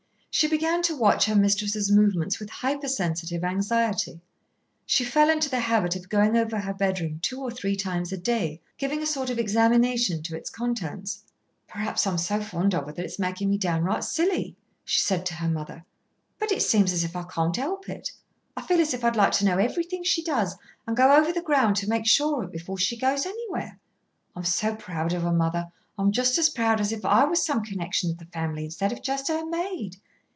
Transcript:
She began to watch her mistress's movements with hyper sensitive anxiety. She fell into the habit of going over her bedroom two or three times a day, giving a sort of examination to its contents. "Perhaps I'm so fond of her that it's making me downright silly," she said to her mother; "but it seems as if I can't help it. I feel as if I'd like to know everything she does, and go over the ground to make sure of it before she goes anywhere. I'm so proud of her, mother; I'm just as proud as if I was some connection of the family, instead of just her maid.